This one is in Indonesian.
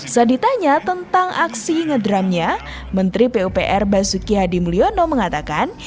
saat ditanya tentang aksi ngedrumnya menteri pupr basuki hadi mulyono mengatakan